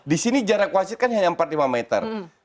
di sini jarak wasit kan hanya empat lima meter